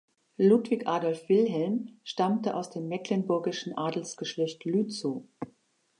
Ludwig Adolf Wilhelm stammte aus dem mecklenburgischen Adelsgeschlecht Lützow.